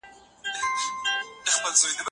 ایا بهرني سوداګر وچه میوه اخلي؟